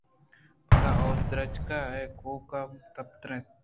پدا آوت درٛچک ءِ کوٛک ءَ پُترت